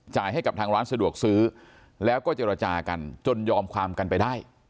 ให้กับทางร้านสะดวกซื้อแล้วก็เจรจากันจนยอมความกันไปได้